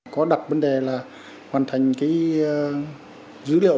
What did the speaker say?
có đặt vấn đề là hoàn thành cái dữ liệu